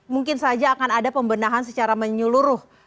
mungkin saja akan ada pembenahan secara menyeluruh